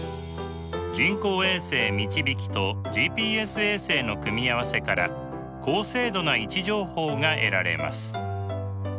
人工衛星みちびきとＧＰＳ衛星の組み合わせから高精度な位置情報が得られます。